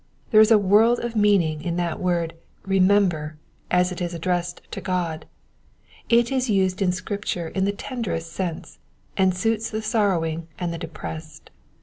There is a world of meaning in that word ^^ remember ^^^ as it is addressed to God; it is used in Scripture in the tenderest sense, and suits the sorrowing and the depressed.